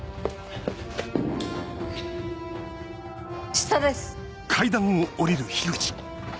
下です。